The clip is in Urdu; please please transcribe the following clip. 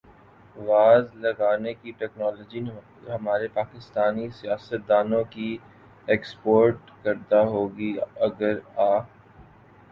واز لگانے کی ٹیکنالوجی ہمارے پاکستانی سیاستدا نوں کی ایکسپورٹ کردہ ہوگی اگر آ